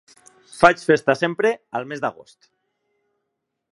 Faig festa sempre al mes d'agost.